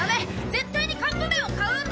絶対にカップ麺を買うんだ。